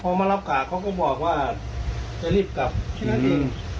พอมารับกะเขาก็บอกว่าจะรีบกลับแค่นั้นเอง